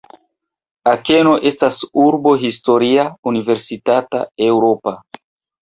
Akeno estas urbo historia, universitata, eŭropa.